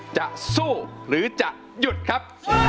จะสู้หรือจะหยุดครับ